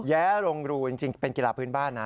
แย้โรงรูจริงเป็นกีฬาพื้นบ้านนะ